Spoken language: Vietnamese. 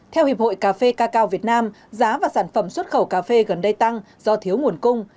theo hiệp hội cà phê cà cao việt nam giá và sản phẩm xuất khẩu cà phê gần đây tăng do thiếu nguồn cung